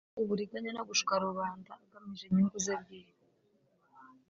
uburiganya no gushuka rubanda agamije inyungu ze bwite